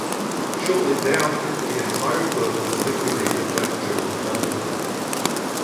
Shortly thereafter, the entire firm was liquidated by the German government.